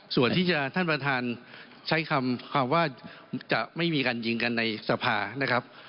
ส่วนที่จะท่านประธานใช้คำว่าจะไม่มีการยิงกันในสภานะครับ